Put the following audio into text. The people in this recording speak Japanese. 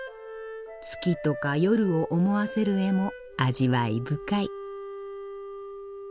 月とか夜を思わせる絵も味わい深い。